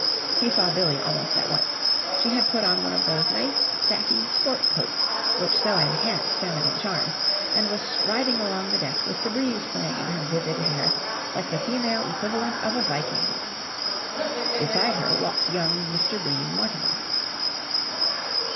He saw Billie almost at once. She had put on one of those nice sacky sport coats which so enhance feminine charms, and was striding along the deck with the breeze playing in her vivid hair like the female equivalent of a Viking. Beside her walked young Mr. Bream Mortimer.